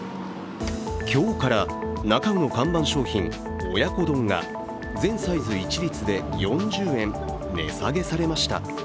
今日からなか卯の看板商品親子丼が全サイズ一律で４０円値下げされました。